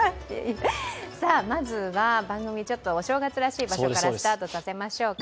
まずは、番組ちょっとお正月らしい場所からスタートさせましょうか。